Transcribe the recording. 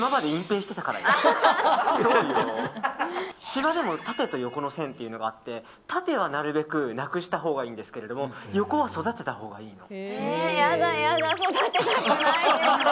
シワも縦と横の線があって縦はなるべくなくしたほうがいいんですけど横は育てたほうがいいの。